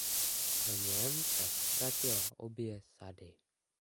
V něm však ztratila obě sady.